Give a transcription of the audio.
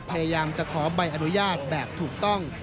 พยายามจะขอใบอนุญาตแบบถูกต้อง